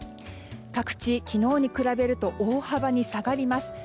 各地、昨日に比べると大幅に下がります。